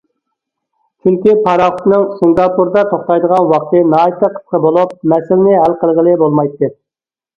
چۈنكى، پاراخوتنىڭ سىنگاپوردا توختايدىغان ۋاقتى ناھايىتى قىسقا بولۇپ مەسىلىنى ھەل قىلغىلى بولمايتتى.